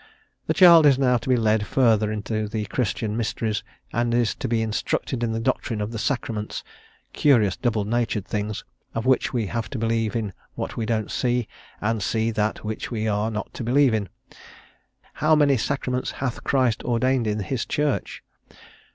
The child is now to be led further into the Christian mysteries, and is to be instructed in the doctrine of the sacraments, curious double natured things of which we have to believe in what we don't see, and see that which we are not to believe in. "How many sacraments hath Christ ordained in his Church?"